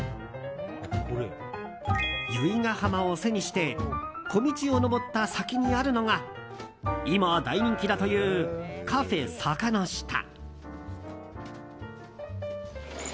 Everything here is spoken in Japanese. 由比ガ浜を背にして小道を上った先にあるのが今、大人気だというカフェ坂の下。